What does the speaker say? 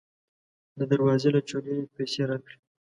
د دروازې له چولې یې پیسې راکړې.